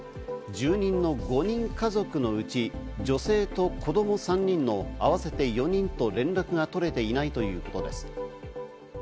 住人の５人家族のうち女性と子供３人の合わせて４人と連絡が取れていないということです。